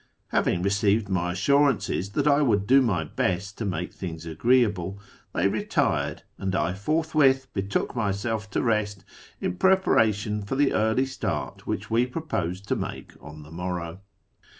Having received my assurances that I would do my best to make things agreeable, they retired, and I forthwith betook myself to rest in preparation for the early start which we proposed to make on the morrow.